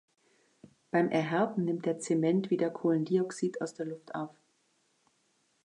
Bei Erhärten nimmt der Zement wieder Kohlendioxid aus der Luft auf.